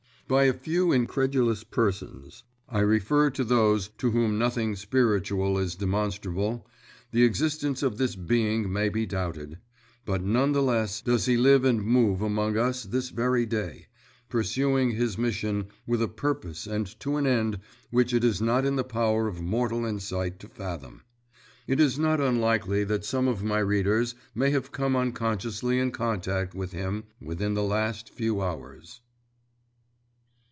By a few incredulous persons I refer to those to whom nothing spiritual is demonstrable the existence of this Being may be doubted; but none the less does he live and move among us this very day, pursuing his mission with a purpose and to an end which it is not in the power of mortal insight to fathom. It is not unlikely that some of my readers may have come unconsciously in contact with him within the last few hours.